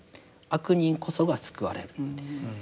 悪人こそが救われる。